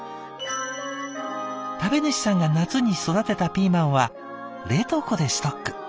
「食べ主さんが夏に育てたピーマンは冷凍庫でストック。